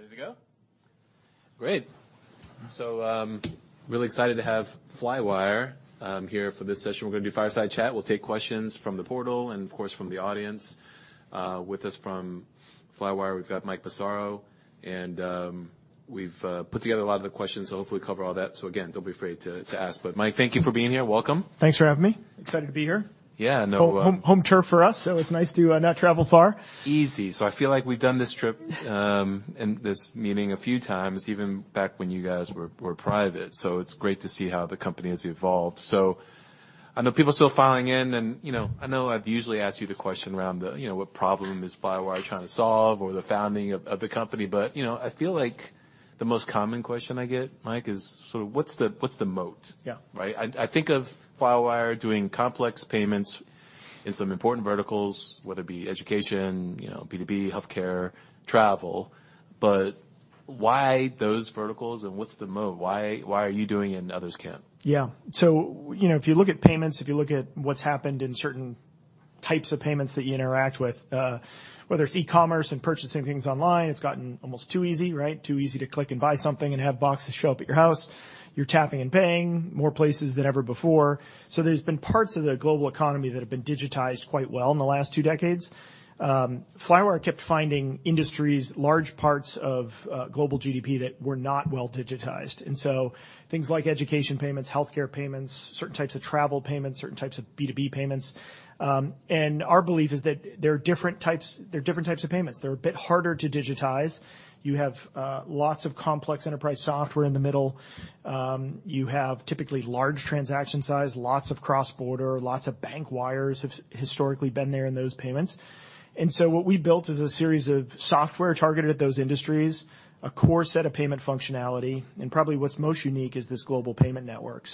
Ready to go? Great. Really excited to have Flywire here for this session. We're gonna do a fireside chat. We'll take questions from the portal and, of course, from the audience. With us from Flywire, we've got Mike Massaro, and we've put together a lot of the questions, so hopefully cover all that. Again, don't be afraid to ask. Mike, thank you for being here. Welcome. Thanks for having me. Excited to be here. Yeah, no. Home turf for us, so it's nice to not travel far. I feel like we've done this trip, and this meeting a few times, even back when you guys were private, so it's great to see how the company has evolved. I know people are still filing in and, you know, I know I've usually asked you the question around the, you know, what problem is Flywire trying to solve or the founding of the company. You know, I feel like the most common question I get, Mike, is sort of what's the moat? Yeah. Right? I think of Flywire doing complex payments in some important verticals, whether it be education, you know, B2B, healthcare, travel. Why those verticals and what's the moat? Why are you doing it and others can't? Yeah. You know, if you look at payments, if you look at what's happened in certain types of payments that you interact with, whether it's e-commerce and purchasing things online, it's gotten almost too easy, right? Too easy to click and buy something and have boxes show up at your house. You're tapping and paying more places than ever before. There's been parts of the global economy that have been digitized quite well in the last two decades. Flywire kept finding industries, large parts of global GDP that were not well digitized, things like education payments, healthcare payments, certain types of travel payments, certain types of B2B payments. Our belief is that there are different types of payments. They're a bit harder to digitize. You have lots of complex enterprise software in the middle. You have typically large transaction size, lots of cross-border, lots of bank wires have historically been there in those payments. What we built is a series of software targeted at those industries, a core set of payment functionality, and probably what's most unique is this global payment network.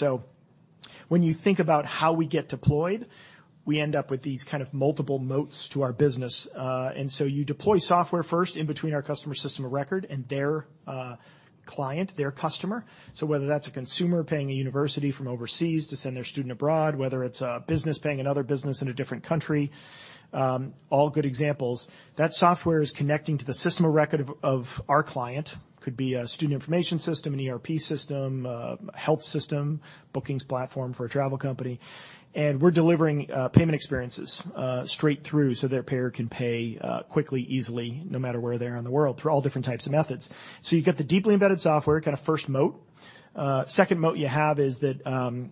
When you think about how we get deployed, we end up with these kind of multiple moats to our business. You deploy software first in between our customer system of record and their client, their customer. Whether that's a consumer paying a university from overseas to send their student abroad, whether it's a business paying another business in a different country, all good examples. That software is connecting to the system of record of our client, could be a student information system, an ERP system, health system, bookings platform for a travel company, and we're delivering payment experiences straight through so their payer can pay quickly, easily, no matter where they are in the world through all different types of methods. You get the deeply embedded software, kind of first moat. Second moat you have is that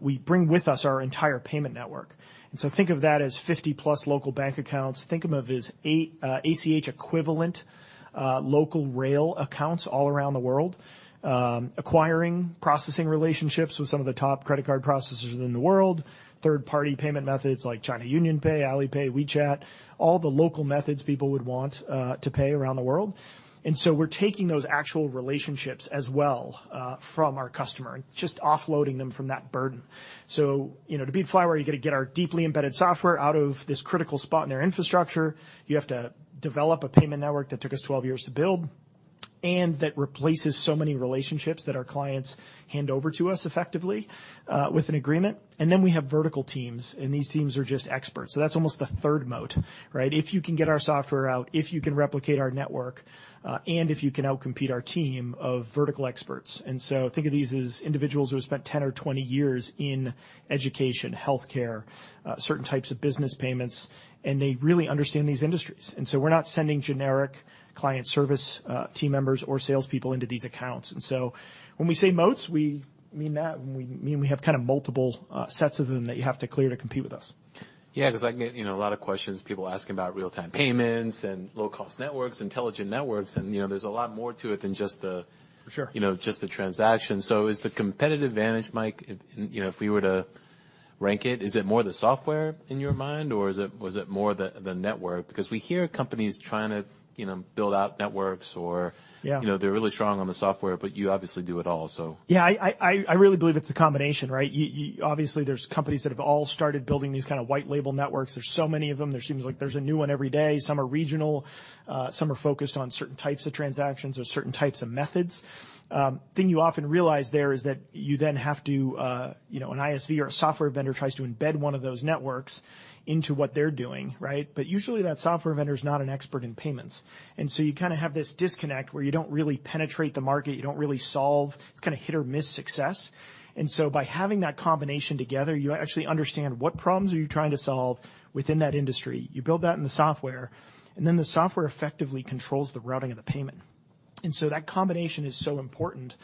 we bring with us our entire payment network. Think of that as 50+ local bank accounts. Think of it as ACH equivalent local rail accounts all around the world. Acquiring processing relationships with some of the top credit card processors in the world, third-party payment methods like China UnionPay, Alipay, WeChat, all the local methods people would want to pay around the world. We're taking those actual relationships as well from our customer and just offloading them from that burden. You know, to beat Flywire, you got to get our deeply embedded software out of this critical spot in their infrastructure. You have to develop a payment network that took us 12 years to build, and that replaces so many relationships that our clients hand over to us effectively with an agreement. We have vertical teams, and these teams are just experts. That's almost the third moat, right? If you can get our software out, if you can replicate our network, and if you can outcompete our team of vertical experts. Think of these as individuals who have spent 10 or 20 years in education, healthcare, certain types of business payments, and they really understand these industries. We're not sending generic client service team members or salespeople into these accounts. When we say moats, we mean that, and we mean we have kind of multiple, sets of them that you have to clear to compete with us. 'Cause I get, you know, a lot of questions people ask about real-time payments and low-cost networks, intelligent networks, and, you know, there's a lot more to it than just. For sure. You know, just the transaction. Is the competitive advantage, Mike, if, you know, if we were to rank it, is it more the software in your mind, or is it more the network? Because we hear companies trying to, you know, build out networks. Yeah. You know, they're really strong on the software, but you obviously do it all, so. Yeah. I really believe it's the combination, right? obviously, there's companies that have all started building these kinda white label networks. There's so many of them. There seems like there's a new one every day. Some are regional. Some are focused on certain types of transactions or certain types of methods. thing you often realize there is that you then have to, you know, an ISV or a software vendor tries to embed one of those networks into what they're doing, right? Usually, that software vendor is not an expert in payments. You kinda have this disconnect where you don't really penetrate the market, you don't really solve. It's kinda hit or miss success. By having that combination together, you actually understand what problems are you trying to solve within that industry. You build that in the software, the software effectively controls the routing of the payment. That combination is so important.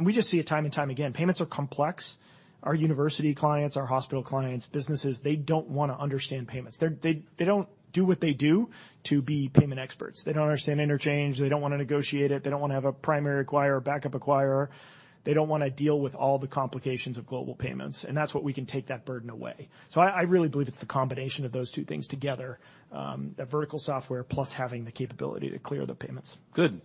We just see it time and time again. Payments are complex. Our university clients, our hospital clients, businesses, they don't wanna understand payments. They don't do what they do to be payment experts. They don't understand interchange. They don't wanna negotiate it. They don't wanna have a primary acquirer or backup acquirer. They don't wanna deal with all the complications of global payments, that's what we can take that burden away. I really believe it's the combination of those two things together, that vertical software plus having the capability to clear the payments. Good.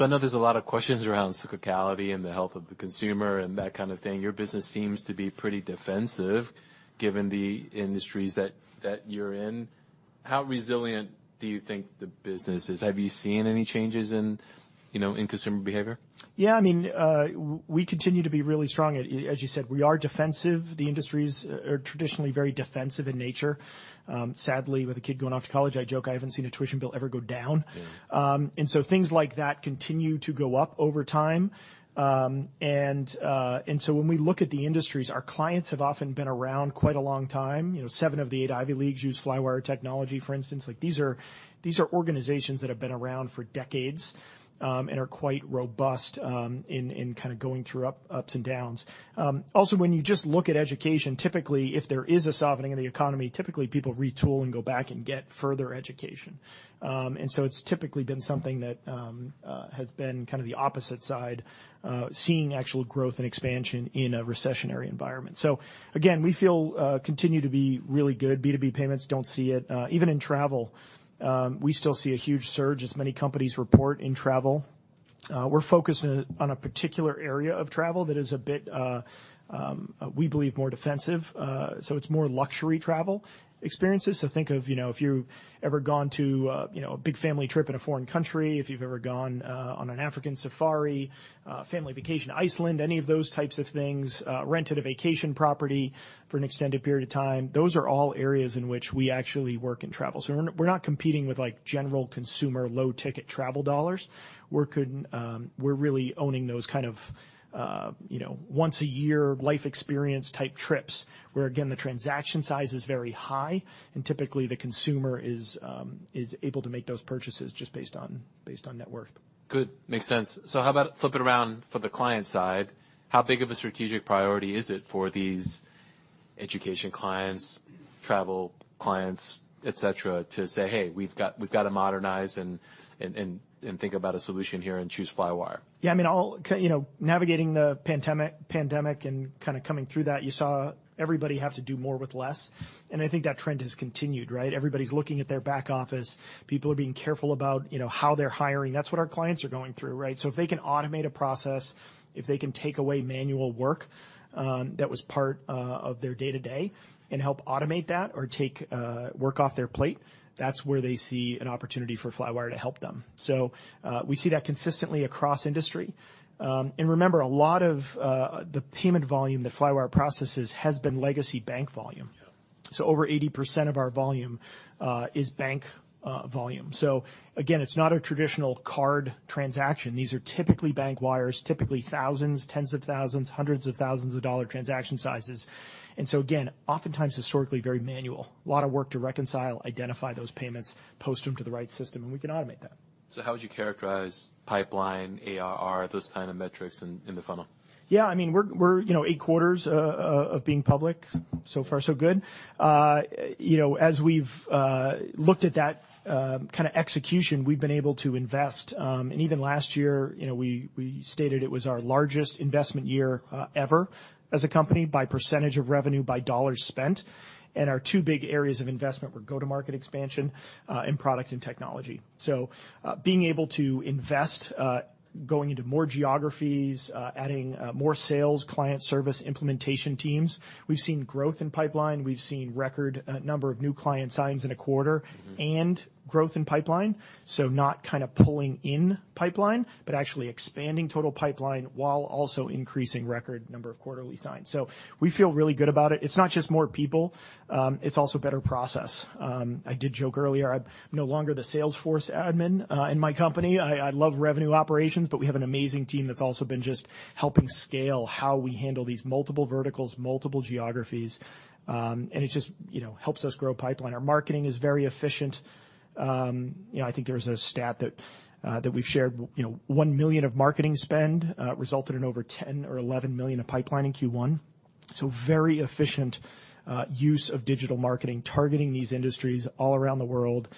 I know there's a lot of questions around cyclicality and the health of the consumer and that kind of thing. Your business seems to be pretty defensive given the industries that you're in. How resilient do you think the business is? Have you seen any changes in, you know, in consumer behavior? Yeah. I mean, we continue to be really strong. As you said, we are defensive. The industries are traditionally very defensive in nature. Sadly, with a kid going off to college, I joke I haven't seen a tuition bill ever go down. Yeah. Things like that continue to go up over time. When we look at the industries, our clients have often been around quite a long time. You know, seven of the eight Ivy Leagues use Flywire technology, for instance. Like, these are organizations that have been around for decades, and are quite robust in kind of going through ups and downs. Also, when you just look at education, typically, if there is a softening of the economy, typically people retool and go back and get further education. It's typically been something that has been kind of the opposite side, seeing actual growth and expansion in a recessionary environment. Again, we feel continue to be really good. B2B payments don't see it. Even in travel, we still see a huge surge as many companies report in travel. We're focused on a particular area of travel that is a bit, we believe more defensive. It's more luxury travel experiences. Think of, you know, if you've ever gone to, you know, a big family trip in a foreign country, if you've ever gone on an African safari, family vacation to Iceland, any of those types of things, rented a vacation property for an extended period of time, those are all areas in which we actually work in travel. We're not, we're not competing with, like, general consumer low-ticket travel dollars. We're really owning those kind of, you know, once-a-year life experience type trips, where again, the transaction size is very high and typically the consumer is able to make those purchases just based on net worth. Good. Makes sense. How about flip it around for the client side? How big of a strategic priority is it for these education clients, travel clients, et cetera, to say, "Hey, we've got, we've got to modernize and, and think about a solution here and choose Flywire? Yeah, I mean, you know, navigating the pandemic and kind of coming through that, you saw everybody have to do more with less, and I think that trend has continued, right? Everybody's looking at their back office. People are being careful about, you know, how they're hiring. That's what our clients are going through, right? If they can automate a process, if they can take away manual work, that was part of their day-to-day and help automate that or take work off their plate, that's where they see an opportunity for Flywire to help them. We see that consistently across industry. Remember, a lot of the payment volume that Flywire processes has been legacy bank volume. Yeah. Over 80% of our volume is bank volume. Again, it's not a traditional card transaction. These are typically bank wires, typically thousands, tens of thousands, hundreds of thousands of dollar transaction sizes. Again, oftentimes historically very manual. A lot of work to reconcile, identify those payments, post them to the right system, and we can automate that. How would you characterize pipeline, ARR, those kind of metrics in the funnel? Yeah, I mean, we're, you know, eight quarters of being public. So far so good. you know, as we've looked at that kind of execution, we've been able to invest. Even last year, you know, we stated it was our largest investment year ever as a company by percentage of revenue, by dollars spent. Our two big areas of investment were go-to-market expansion and product and technology. being able to invest, going into more geographies, adding more sales, client service, implementation teams, we've seen growth in pipeline. We've seen record number of new client signs in a quarter. Mm-hmm... and growth in pipeline. Not kind of pulling in pipeline, but actually expanding total pipeline while also increasing record number of quarterly signs. We feel really good about it. It's not just more people, it's also better process. I did joke earlier, I'm no longer the Salesforce admin in my company. I love revenue operations, but we have an amazing team that's also been just helping scale how we handle these multiple verticals, multiple geographies, and it just, you know, helps us grow pipeline. Our marketing is very efficient. You know, I think there's a stat that we've shared, you know, $1 million of marketing spend resulted in over $10 million-$11 million of pipeline in Q1. Very efficient use of digital marketing targeting these industries all around the world.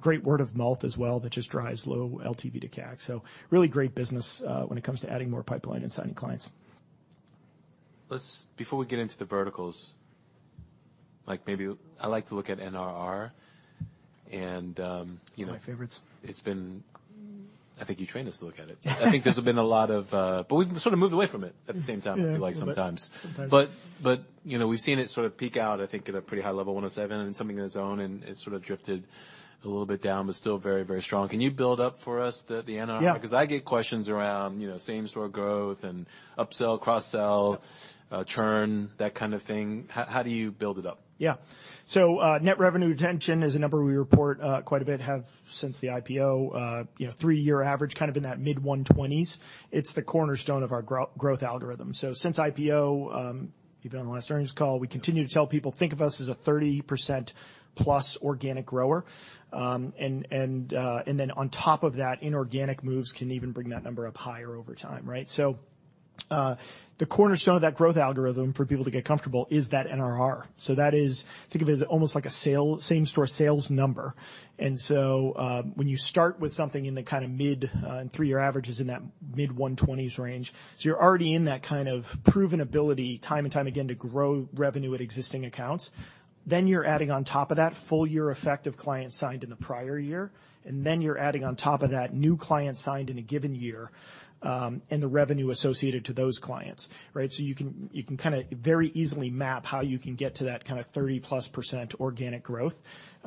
Great word of mouth as well that just drives low LTV to CAC. Really great business, when it comes to adding more pipeline and signing clients. Before we get into the verticals, like maybe... I like to look at NRR and, you know... My favorites.... it's been... I think you trained us to look at it. I think there's been a lot of... We've sort of moved away from it at the same time, if you like, sometimes. Yeah, a little bit. Sometimes. You know, we've seen it sort of peak out, I think, at a pretty high level, 107%, and something of its own, and it sort of drifted a little bit down, but still very, very strong. Can you build up for us the NRR? Yeah. I get questions around, you know, same-store growth and upsell, cross-sell. Yeah churn, that kind of thing. How do you build it up? Yeah. Net revenue retention is a number we report, quite a bit, have since the IPO. You know, three-year average, kind of in that mid-120s%. It's the cornerstone of our growth algorithm. Since IPO, even on the last earnings call, we continue to tell people think of us as a 30%+ organic grower. On top of that, inorganic moves can even bring that number up higher over time, right? The cornerstone of that growth algorithm for people to get comfortable is that NRR. That is, think of it as almost like a same-store sales number. When you start with something in the kind of mid, and three-year average is in that mid-120%s range. You're already in that kind of proven ability time and time again to grow revenue at existing accounts. You're adding on top of that full-year effect of clients signed in the prior year. You're adding on top of that new clients signed in a given year, and the revenue associated to those clients, right. You can, you can kind of very easily map how you can get to that kind of 30%+ organic growth.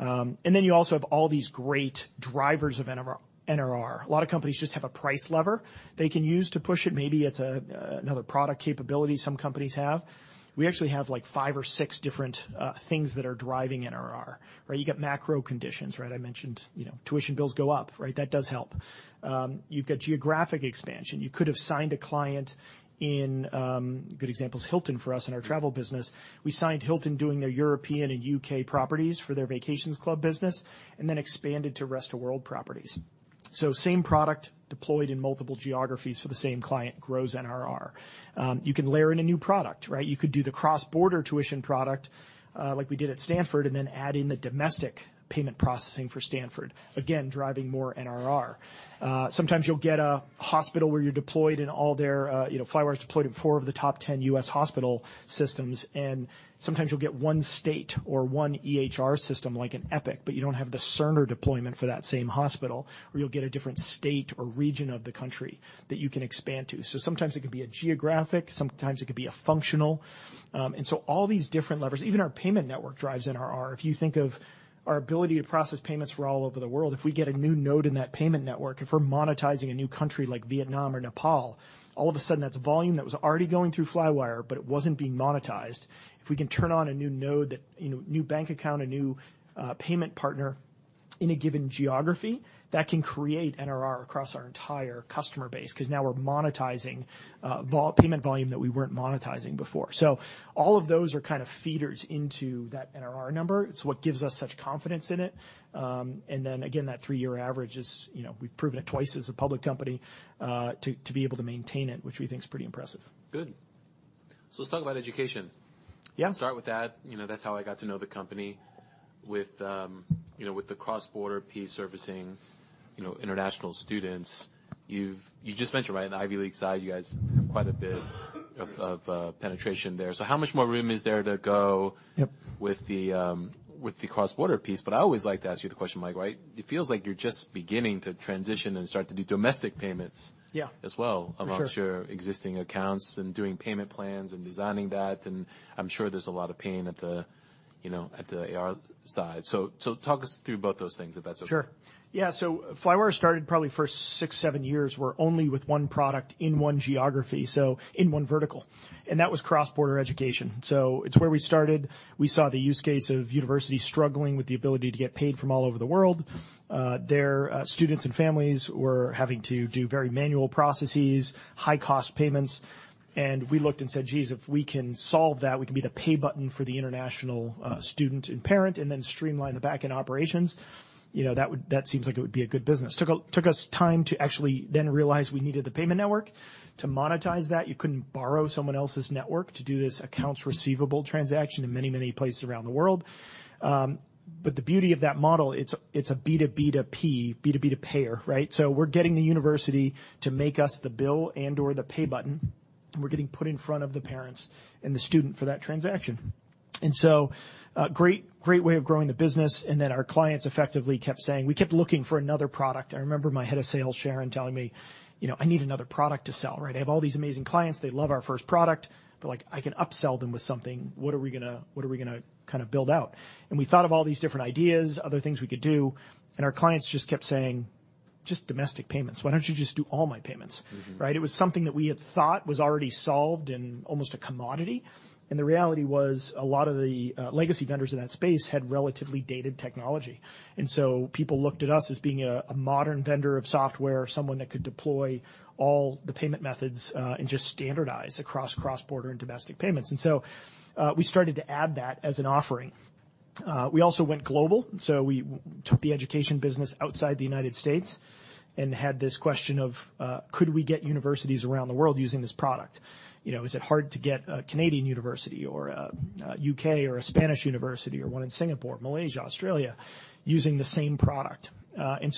You also have all these great drivers of NRR. A lot of companies just have a price lever they can use to push it. Maybe it's another product capability some companies have. We actually have like five or six different things that are driving NRR, right? You got macro conditions, right? I mentioned, you know, tuition bills go up, right? That does help. You've got geographic expansion. You could have signed a client in. A good example is Hilton for us in our travel business. We signed Hilton doing their European and U.K. properties for their vacations club business and then expanded to rest of world properties. Same product deployed in multiple geographies, so the same client grows NRR. You can layer in a new product, right? You could do the cross-border tuition product, like we did at Stanford, and then add in the domestic payment processing for Stanford, again, driving more NRR. Sometimes you'll get a hospital where you're deployed in all their. You know, Flywire's deployed in four of the top 10 U.S. hospital systems. Sometimes you'll get one state or one EHR system like in Epic, but you don't have the Cerner deployment for that same hospital. You'll get a different state or region of the country that you can expand to. Sometimes it could be a geographic, sometimes it could be a functional. All these different levers, even our payment network drives NRR. If you think of our ability to process payments for all over the world, if we get a new node in that payment network, if we're monetizing a new country like Vietnam or Nepal, all of a sudden that's volume that was already going through Flywire, but it wasn't being monetized. If we can turn on a new node that, you know, new bank account, a new payment partner in a given geography, that can create NRR across our entire customer base, 'cause now we're monetizing payment volume that we weren't monetizing before. All of those are kind of feeders into that NRR number. It's what gives us such confidence in it. Again, that three-year average is, you know, we've proven it twice as a public company to be able to maintain it, which we think is pretty impressive. Good. Let's talk about education. Yeah. Start with that. You know, that's how I got to know the company with, you know, with the cross-border piece servicing, you know, international students. You just mentioned, right, the Ivy League side, you guys have quite a bit of penetration there. How much more room is there to go? Yep... with the, with the cross-border piece? I always like to ask you the question, Mike, right? It feels like you're just beginning to transition and start to do domestic payments. Yeah as well- For sure.... amongst your existing accounts and doing payment plans and designing that, and I'm sure there's a lot of pain at the, you know, at the AR side. Talk us through both those things, if that's okay. Sure. Flywire started probably first six, seven years were only with one product in one geography, so in one vertical, and that was cross-border education. It's where we started. We saw the use case of universities struggling with the ability to get paid from all over the world. Their students and families were having to do very manual processes, high-cost payments, and we looked and said, "Geez, if we can solve that, we can be the pay button for the international student and parent, and then streamline the back-end operations, you know, that seems like it would be a good business." Took us time to actually then realize we needed the payment network to monetize that. You couldn't borrow someone else's network to do this accounts receivable transaction in many, many places around the world. The beauty of that model, it's a B2B2P, B to B to payer, right? We're getting the university to make us the bill and/or the pay button, and we're getting put in front of the parents and the student for that transaction. Great, great way of growing the business. Then our clients effectively kept saying... We kept looking for another product. I remember my head of sales, Sharon, telling me, you know, "I need another product to sell, right?" I have all these amazing clients, they love our first product. They're like, "I can upsell them with something. What are we gonna kinda build out?" We thought of all these different ideas, other things we could do, and our clients just kept saying, "Just domestic payments. Why don't you just do all my payments? Mm-hmm. Right? It was something that we had thought was already solved and almost a commodity. The reality was a lot of the legacy vendors in that space had relatively dated technology. People looked at us as being a modern vendor of software, someone that could deploy all the payment methods and just standardize across cross-border and domestic payments. We started to add that as an offering. We also went global, so we took the education business outside the United States and had this question of, could we get universities around the world using this product? You know, is it hard to get a Canadian university or a U.K. or a Spanish university or one in Singapore, Malaysia, Australia, using the same product?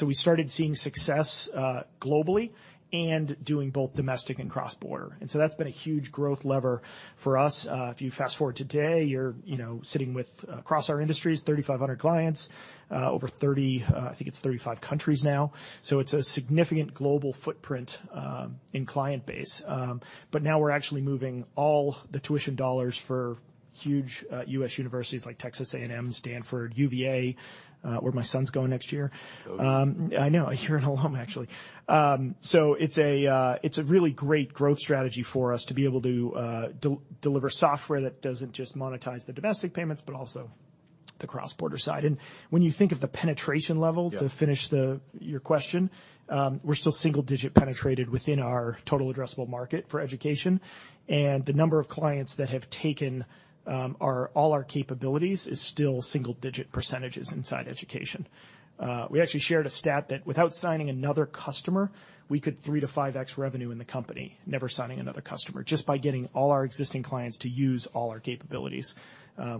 We started seeing success globally and doing both domestic and cross-border. That's been a huge growth lever for us. If you fast-forward today, you're, you know, sitting with, across our industries, 3,500 clients, over 30, I think it's 35 countries now. It's a significant global footprint and client base. Now we're actually moving all the tuition dollars for huge U.S. universities like Texas A&M, Stanford, UVA, where my son's going next year. Go U- I know. You're an alum actually. It's a really great growth strategy for us to be able to deliver software that doesn't just monetize the domestic payments but also the cross-border side. When you think of the penetration level... Yeah... to finish the, your question, we're still single-digit penetrated within our total addressable market for education, and the number of clients that have taken, our, all our capabilities is still single-digit percentages inside education. We actually shared a stat that without signing another customer, we could 3-5x revenue in the company, never signing another customer, just by getting all our existing clients to use all our capabilities,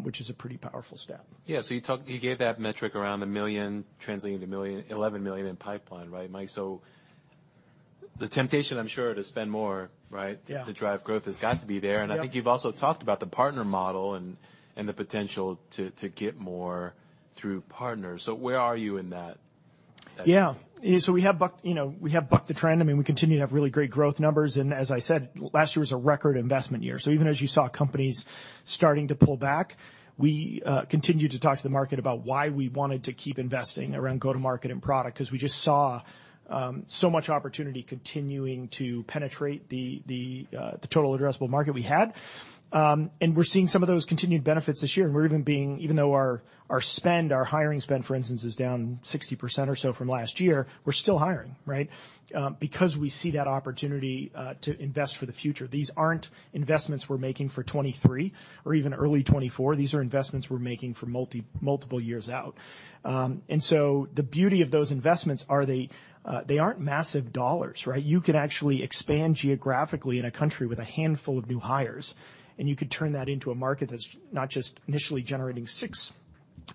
which is a pretty powerful stat. Yeah. You gave that metric around a million translating to $11 million in pipeline, right, Mike, so? The temptation, I'm sure, to spend more, right. Yeah to drive growth has got to be there. Yep. I think you've also talked about the partner model and the potential to get more through partners. Where are you in that. Yeah. We have bucked, you know, we have bucked the trend. I mean, we continue to have really great growth numbers, and as I said, last year was a record investment year. Even as you saw companies starting to pull back, we continued to talk to the market about why we wanted to keep investing around go-to-market and product, 'cause we just saw so much opportunity continuing to penetrate the, the total addressable market we had. We're seeing some of those continued benefits this year, we're even though our spend, our hiring spend, for instance, is down 60% or so from last year, we're still hiring, right? We see that opportunity to invest for the future. These aren't investments we're making for 2023 or even early 2024. These are investments we're making for multiple years out. The beauty of those investments are they aren't massive dollars, right? You could actually expand geographically in a country with a handful of new hires, and you could turn that into a market that's not just initially generating six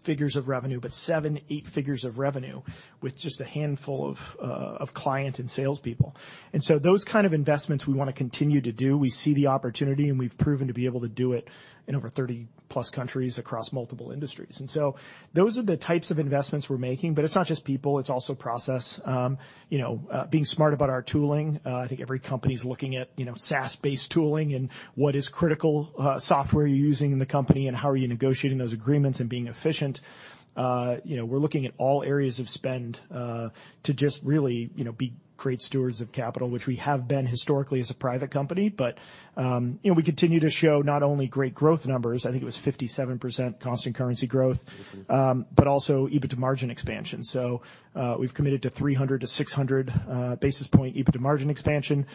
figures of revenue, but seven, eight figures of revenue with just a handful of clients and salespeople. Those kind of investments we wanna continue to do. We see the opportunity, and we've proven to be able to do it in over 30+ countries across multiple industries. Those are the types of investments we're making. But it's not just people, it's also process. You know, being smart about our tooling, I think every company is looking at, you know, SaaS-based tooling and what is critical software you're using in the company, and how are you negotiating those agreements and being efficient. You know, we're looking at all areas of spend to just really, you know, be great stewards of capital, which we have been historically as a private company. You know, we continue to show not only great growth numbers, I think it was 57% constant currency growth. Mm-hmm. Also EBITDA margin expansion. We've committed to 300-600 basis point EBITDA margin expansion.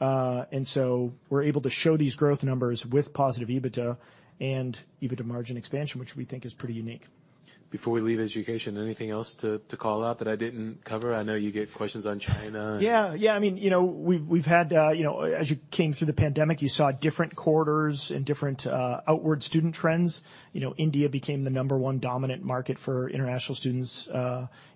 We're able to show these growth numbers with positive EBITDA and EBITDA margin expansion, which we think is pretty unique. Before we leave education, anything else to call out that I didn't cover? I know you get questions on China. Yeah. Yeah. I mean, you know, we've had, you know, as you came through the pandemic, you saw different quarters and different outward student trends. You know, India became the number one dominant market for international students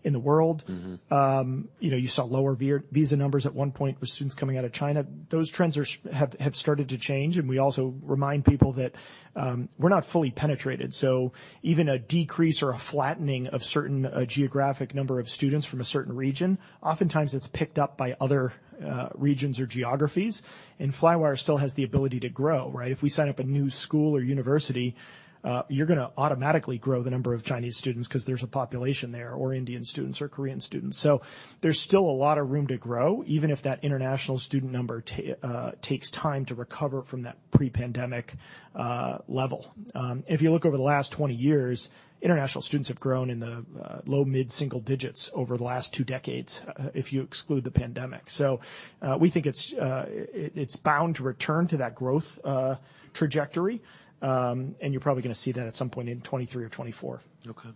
in the world. Mm-hmm. You know, you saw lower visa numbers at one point with students coming out of China. Those trends have started to change, and we also remind people that we're not fully penetrated. Even a decrease or a flattening of certain geographic number of students from a certain region, oftentimes it's picked up by other regions or geographies. Flywire still has the ability to grow, right? If we sign up a new school or university, you're gonna automatically grow the number of Chinese students 'cause there's a population there, or Indian students or Korean students. There's still a lot of room to grow, even if that international student number takes time to recover from that pre-pandemic level. If you look over the last 20 years, international students have grown in the low mid-single digits over the last two decades, if you exclude the pandemic. We think it's bound to return to that growth trajectory. You're probably gonna see that at some point in 2023 or 2024. Okay.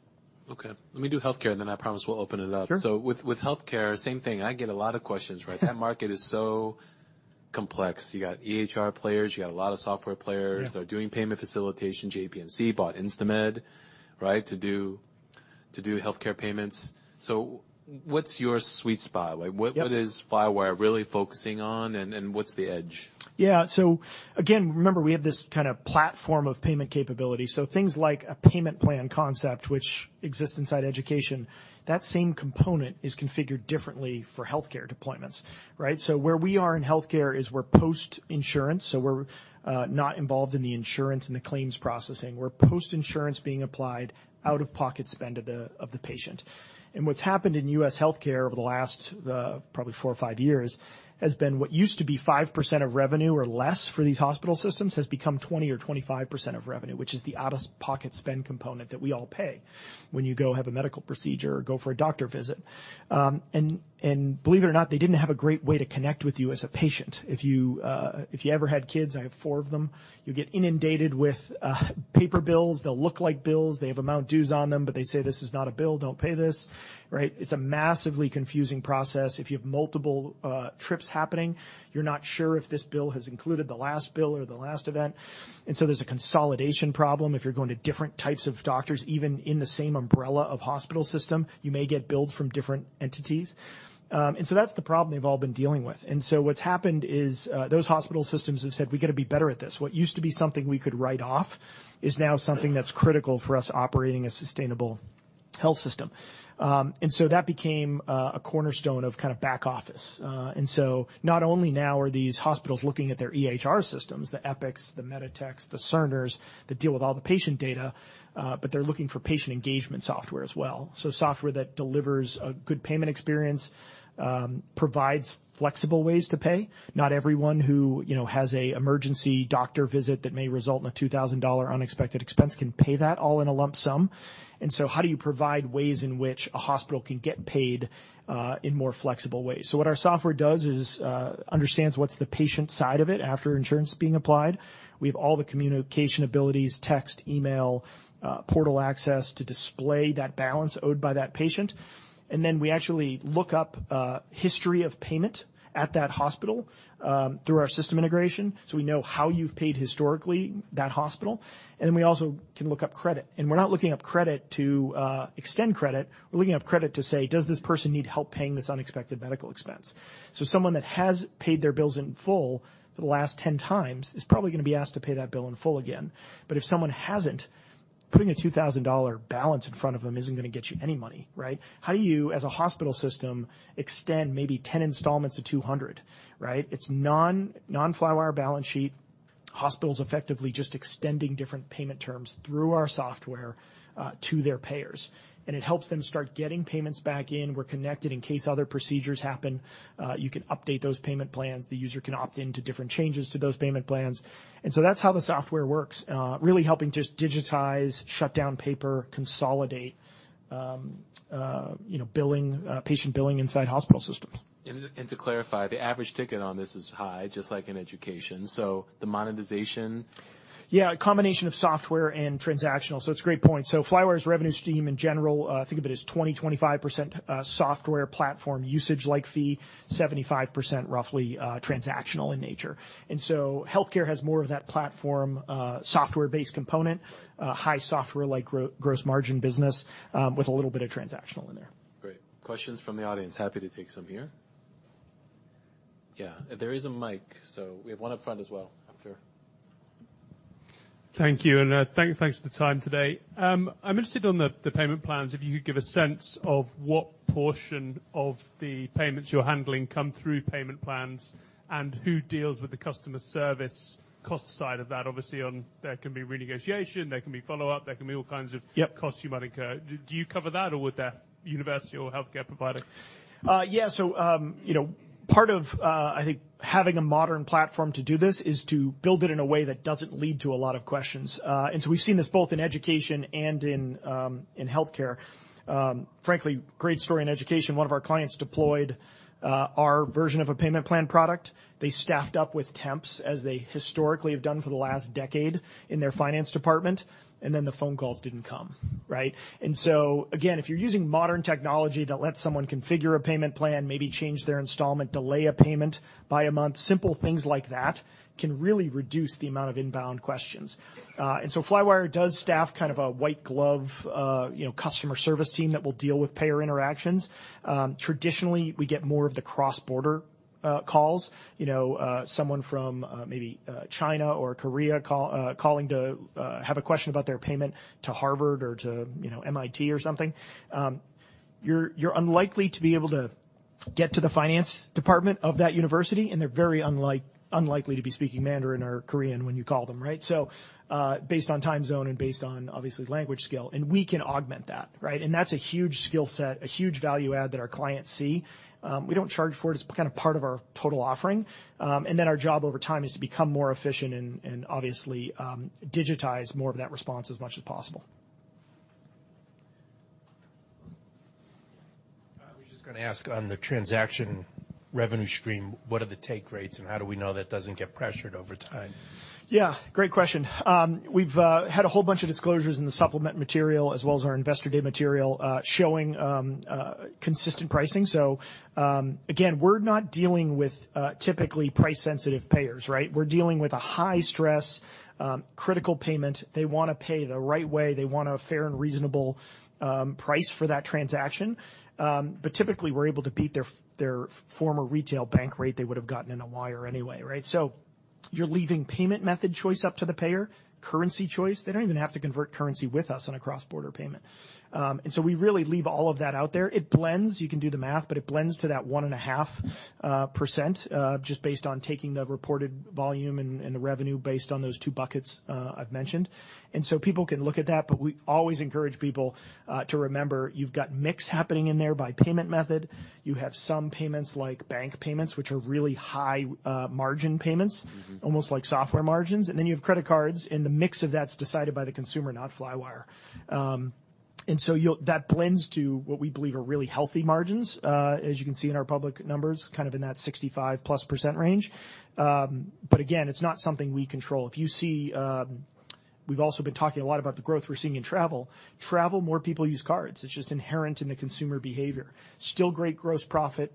Okay. Let me do healthcare, and then I promise we'll open it up. Sure. With healthcare, same thing, I get a lot of questions, right? That market is so complex. You got EHR players, you got a lot of software players- Yeah. They're doing payment facilitation. JPMorgan Chase bought InstaMed, right, to do healthcare payments. What's your sweet spot? Like. Yep. What is Flywire really focusing on, and what's the edge? Yeah. Again, remember, we have this kinda platform of payment capability. Things like a payment plan concept, which exists inside education, that same component is configured differently for healthcare deployments, right? Where we are in healthcare is we're post-insurance, so we're not involved in the insurance and the claims processing. We're post-insurance being applied out-of-pocket spend of the patient. What's happened in U.S. healthcare over the last, probably four or five years, has been what used to be 5% of revenue or less for these hospital systems has become 20% or 25% of revenue, which is the out-of-pocket spend component that we all pay when you go have a medical procedure or go for a doctor visit. Believe it or not, they didn't have a great way to connect with you as a patient. If you ever had kids, I have four of them, you get inundated with, paper bills. They'll look like bills. They have amount dues on them, but they say, "This is not a bill. Don't pay this." Right? It's a massively confusing process. If you have multiple, trips happening, you're not sure if this bill has included the last bill or the last event. There's a consolidation problem. If you're going to different types of doctors, even in the same umbrella of hospital system, you may get billed from different entities. That's the problem they've all been dealing with. What's happened is, those hospital systems have said, "We gotta be better at this. What used to be something we could write off is now something that's critical for us operating a sustainable health system." That became a cornerstone of kinda back office. Not only now are these hospitals looking at their EHR systems, the Epics, the MEDITECHs, the Cerners that deal with all the patient data, but they're looking for patient engagement software as well. Software that delivers a good payment experience, provides flexible ways to pay. Not everyone who, you know, has an emergency doctor visit that may result in a $2,000 unexpected expense can pay that all in a lump sum. How do you provide ways in which a hospital can get paid in more flexible ways? What our software does is understands what's the patient side of it after insurance being applied. We have all the communication abilities, text, email, portal access to display that balance owed by that patient. We actually look up a history of payment at that hospital, through our system integration, so we know how you've paid historically that hospital. We also can look up credit. We're not looking up credit to extend credit. We're looking up credit to say, "Does this person need help paying this unexpected medical expense?" Someone that has paid their bills in full for the last 10 times is probably gonna be asked to pay that bill in full again. If someone hasn't, putting a $2,000 balance in front of them isn't gonna get you any money, right? How do you, as a hospital system, extend maybe 10 installments of $200, right? It's non-Flywire balance sheet-Hospitals effectively just extending different payment terms through our software to their payers. It helps them start getting payments back in. We're connected in case other procedures happen. You can update those payment plans. The user can opt into different changes to those payment plans. That's how the software works, really helping just digitize, shut down paper, consolidate, you know, billing, patient billing inside hospital systems. To clarify, the average ticket on this is high, just like in education. The monetization. Yeah, a combination of software and transactional. It's a great point. Flywire's revenue stream in general, think of it as 20%-25% software platform usage like fee, 75% roughly transactional in nature. Healthcare has more of that platform, software-based component, high software like gross margin business, with a little bit of transactional in there. Great. Questions from the audience. Happy to take some here. Yeah, there is a mic. We have one up front as well up here. Thank you. Thanks for the time today. I'm interested on the payment plans, if you could give a sense of what portion of the payments you're handling come through payment plans and who deals with the customer service cost side of that. Obviously on there can be renegotiation, there can be follow-up, there can be all kinds of- Yep... costs you might incur. Do you cover that or would that university or healthcare provider? Yeah. You know, part of, I think having a modern platform to do this is to build it in a way that doesn't lead to a lot of questions. We've seen this both in education and in healthcare. Frankly, great story in education. One of our clients deployed our version of a payment plan product. They staffed up with temps as they historically have done for the last decade in their finance department, the phone calls didn't come, right? Again, if you're using modern technology that lets someone configure a payment plan, maybe change their installment, delay a payment by a month, simple things like that can really reduce the amount of inbound questions. Flywire does staff kind of a white glove, you know, customer service team that will deal with payer interactions. Traditionally, we get more of the cross-border calls, you know, someone from maybe China or Korea calling to have a question about their payment to Harvard or to, you know, MIT or something. You're unlikely to be able to get to the finance department of that university, and they're very unlikely to be speaking Mandarin or Korean when you call them, right? Based on time zone and based on obviously language skill, and we can augment that, right? That's a huge skill set, a huge value add that our clients see. We don't charge for it. It's kind of part of our total offering. Our job over time is to become more efficient and obviously, digitize more of that response as much as possible. I was just gonna ask on the transaction revenue stream, what are the take rates and how do we know that doesn't get pressured over time? Great question. We've had a whole bunch of disclosures in the supplement material as well as our investor day material, showing consistent pricing. Again, we're not dealing with typically price sensitive payers, right? We're dealing with a high-stress, critical payment. They wanna pay the right way. They want a fair and reasonable price for that transaction. Typically, we're able to beat their former retail bank rate they would've gotten in a wire anyway, right? You're leaving payment method choice up to the payer, currency choice. They don't even have to convert currency with us on a cross-border payment. We really leave all of that out there. It blends, you can do the math, but it blends to that 1.5% just based on taking the reported volume and the revenue based on those two buckets I've mentioned. People can look at that, but we always encourage people to remember you've got mix happening in there by payment method. You have some payments like bank payments, which are really high-margin payments- Mm-hmm... almost like software margins. You have credit cards, and the mix of that's decided by the consumer, not Flywire. That blends to what we believe are really healthy margins, as you can see in our public numbers, kind of in that 65%+ range. Again, it's not something we control. If you see, we've also been talking a lot about the growth we're seeing in travel. Travel, more people use cards. It's just inherent in the consumer behavior. Still great gross profit,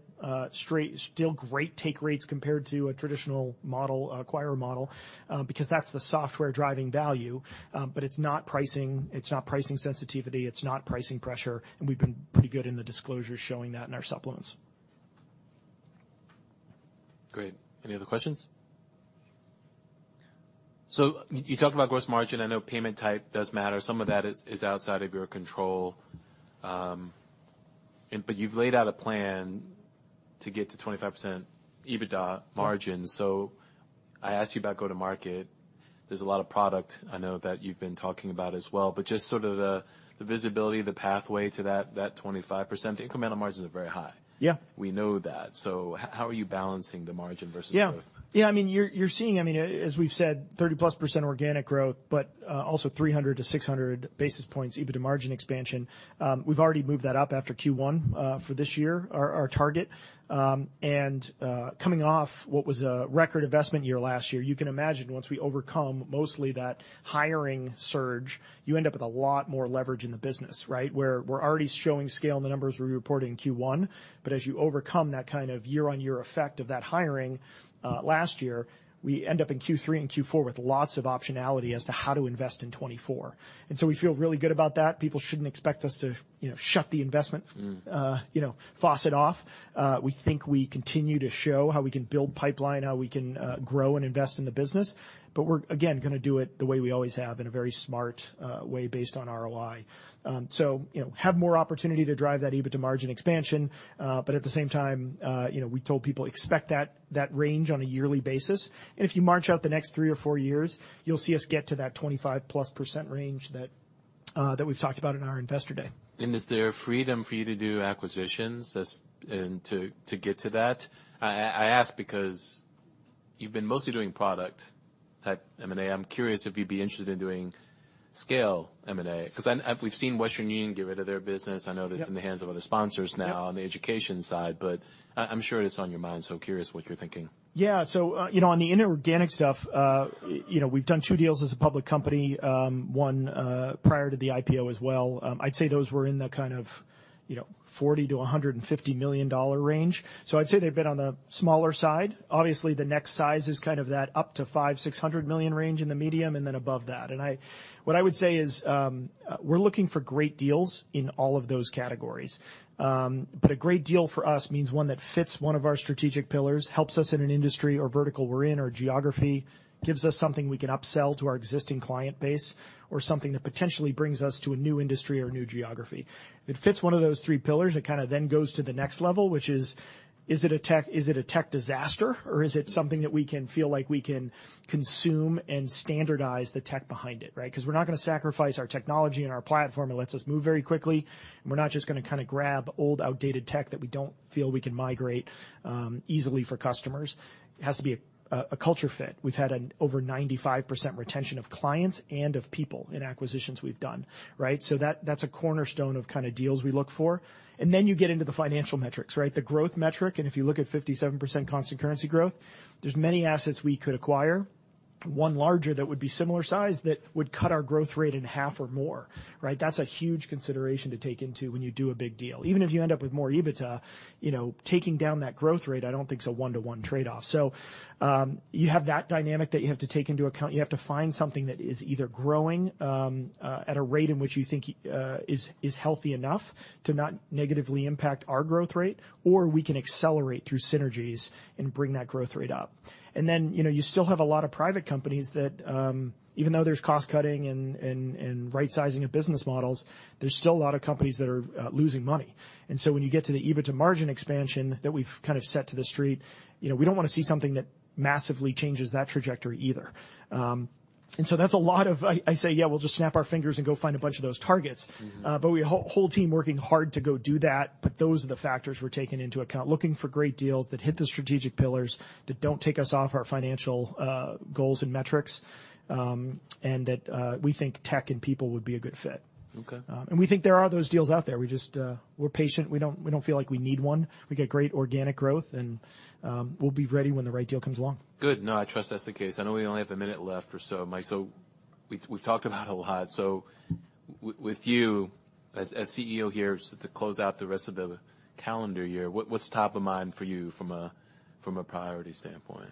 straight, still great take rates compared to a traditional model, acquire model, because that's the software driving value. It's not pricing, it's not pricing sensitivity, it's not pricing pressure, and we've been pretty good in the disclosure showing that in our supplements. Great. Any other questions? You talked about gross margin. I know payment type does matter. Some of that is outside of your control. You've laid out a plan to get to 25% EBITDA margin. Yeah. I ask you about go-to-market. There's a lot of product I know that you've been talking about as well, but just sort of the visibility, the pathway to that 25%, the incremental margins are very high. Yeah. We know that. How are you balancing the margin versus growth? Yeah. Yeah. I mean, you're seeing, I mean, as we've said, 30%+ organic growth, also 300-600 basis points EBITDA margin expansion. We've already moved that up after Q1 for this year, our target. Coming off what was a record investment year last year, you can imagine once we overcome mostly that hiring surge, you end up with a lot more leverage in the business, right? Where we're already showing scale in the numbers we reported in Q1, as you overcome that kind of year-on-year effect of that hiring last year, we end up in Q3 and Q4 with lots of optionality as to how to invest in 2024. We feel really good about that. People shouldn't expect us to, you know, shut the investment- Mm. you know, faucet off. We think we continue to show how we can build pipeline, how we can grow and invest in the business, but we're, again, gonna do it the way we always have in a very smart way based on ROI. So, you know, have more opportunity to drive that EBITDA margin expansion, but at the same time, you know, we told people expect that range on a yearly basis. If you march out the next three or four years, you'll see us get to that 25%+ range that we've talked about in our Investor Day. Is there freedom for you to do acquisitions and to get to that? I ask because you've been mostly doing product at M&A. I'm curious if you'd be interested in doing scale M&A, 'cause we've seen Western Union get rid of their business. Yep. I know that's in the hands of other sponsors now. Yep. on the education side, but I'm sure it's on your mind, so curious what you're thinking. You know, on the inorganic stuff, you know, we've done two deals as a public company, one prior to the IPO as well. I'd say those were in the kind of, you know, $40 million-$150 million range. I'd say they've been on the smaller side. Obviously, the next size is kind of that up to $500 million-$600 million range in the medium, and then above that. What I would say is, we're looking for great deals in all of those categories. A great deal for us means one that fits one of our strategic pillars, helps us in an industry or vertical we're in or geography, gives us something we can upsell to our existing client base, or something that potentially brings us to a new industry or new geography. If it fits one of those three pillars, it kind of then goes to the next level, which is it a tech disaster, or is it something that we can feel like we can consume and standardize the tech behind it, right? 'Cause we're not gonna sacrifice our technology and our platform. It lets us move very quickly. We're not just gonna kind of grab old, outdated tech that we don't feel we can migrate easily for customers. It has to be a culture fit. We've had an over 95% retention of clients and of people in acquisitions we've done, right? That's a cornerstone of kind of deals we look for. You get into the financial metrics, right? The growth metric, and if you look at 57% constant currency growth, there's many assets we could acquire. One larger that would be similar size that would cut our growth rate in half or more, right? That's a huge consideration to take into when you do a big deal. Even if you end up with more EBITDA, you know, taking down that growth rate I don't think is a one-to-one trade-off. You have that dynamic that you have to take into account. You have to find something that is either growing at a rate in which you think is healthy enough to not negatively impact our growth rate, or we can accelerate through synergies and bring that growth rate up. You know, you still have a lot of private companies that, even though there's cost-cutting and right-sizing of business models, there's still a lot of companies that are losing money. When you get to the EBITDA margin expansion that we've kind of set to the Street, you know, we don't wanna see something that massively changes that trajectory either. That's a lot of... I say, yeah, we'll just snap our fingers and go find a bunch of those targets. Mm-hmm. Whole team working hard to go do that, but those are the factors we're taking into account. Looking for great deals that hit the strategic pillars, that don't take us off our financial goals and metrics, and that we think tech and people would be a good fit. Okay. We think there are those deals out there. We just, we're patient. We don't, we don't feel like we need one. We get great organic growth and we'll be ready when the right deal comes along. Good. No, I trust that's the case. I know we only have a minute left or so, Mike, so we've talked about a lot. With you as CEO here, to close out the rest of the calendar year, what's top of mind for you from a, from a priority standpoint?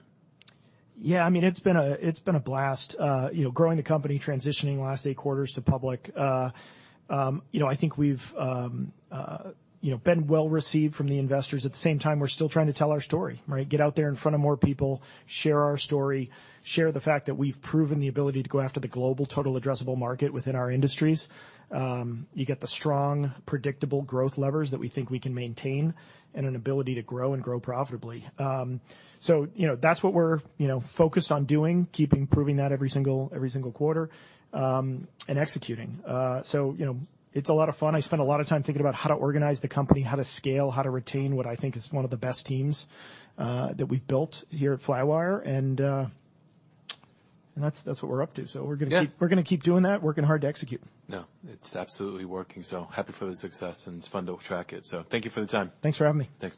Yeah. I mean, it's been a, it's been a blast, you know, growing the company, transitioning the last eight quarters to public. You know, I think we've, you know, been well-received from the investors. At the same time, we're still trying to tell our story, right? Get out there in front of more people, share our story, share the fact that we've proven the ability to go after the global total addressable market within our industries. You get the strong, predictable growth levers that we think we can maintain and an ability to grow and grow profitably. You know, that's what we're, you know, focused on doing, keeping proving that every single quarter, and executing. You know, it's a lot of fun. I spend a lot of time thinking about how to organize the company, how to scale, how to retain what I think is one of the best teams, that we've built here at Flywire. That's what we're up to. Yeah. We're gonna keep doing that, working hard to execute. No, it's absolutely working, so happy for the success and it's fun to track it. Thank you for the time. Thanks for having me. Thanks.